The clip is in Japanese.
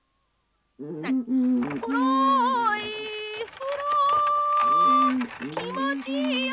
ふろふろきもちいいよ。